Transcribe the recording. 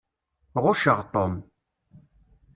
Ɣucceɣ Tom.